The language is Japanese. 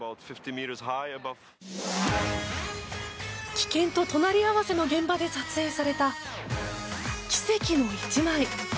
危険と隣り合わせの現場で撮影された奇跡の１枚。